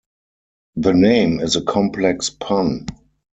The name is a complex pun.